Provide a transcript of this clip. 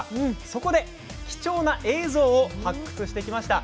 そこで、貴重な映像を発掘してきました。